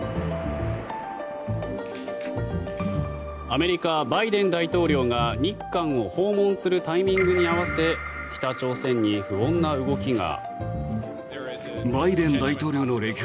アメリカバイデン大統領が日韓を訪問するタイミングに合わせ北朝鮮に不穏な動きが。